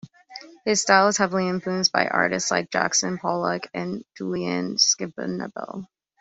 His style is heavily influenced by artists like Jackson Pollock and Julian Schnabel.